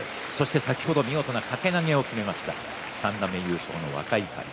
先ほど見事な掛け投げをきめました三段目優勝の若碇。